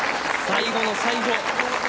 最後の最後。